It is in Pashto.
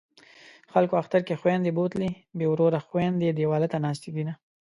خلکو اختر کې خویندې بوتلې بې وروره خویندې دېواله ته ناستې دینه